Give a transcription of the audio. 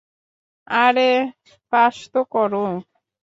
আরে, পাস তো করো।